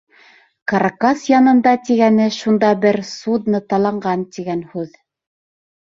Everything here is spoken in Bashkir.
«Каракас янында» тигәне шунда бер судно таланған тигән һүҙ.